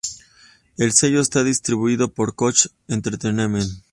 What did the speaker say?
El sello está distribuido por Koch Entertainment.